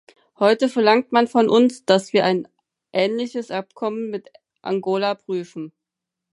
Heute verlangt man von uns, dass wir ein ähnliches Abkommen mit Angola prüfen.